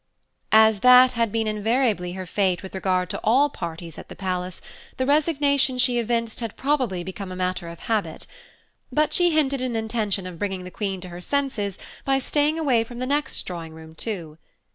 As that had been invariably her fate with regard to all parties at the Palace, the resignation she evinced had probably become a matter of habit; but she hinted an intention of bringing the Queen to her senses by staying away from the next Drawing Room too.